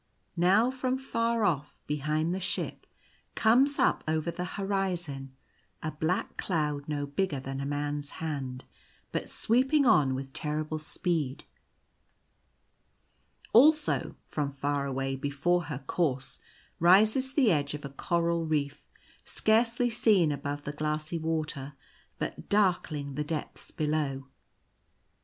Now from far off, behind the ship, comes up over the horizon a black cloud no bigger than a man's hand, but sweeping on with terrible speed. Also, from far away, before her course, rises the edge of a coral reef, scarcely seen above the glassy water, but darkling the depths below.